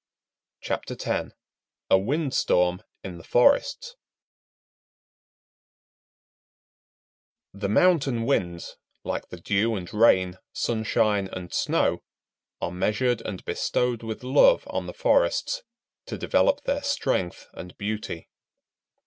] CHAPTER X A WIND STORM IN THE FORESTS The mountain winds, like the dew and rain, sunshine and snow, are measured and bestowed with love on the forests to develop their strength and beauty.